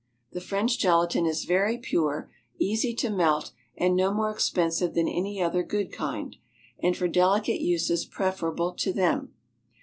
The French gelatine is very pure, easy to melt, and no more expensive than any other good kind, and for delicate uses preferable to them.